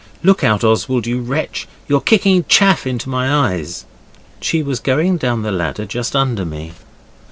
Look out, Oswald, you wretch, you're kicking chaff into my eyes.' She was going down the ladder just under me.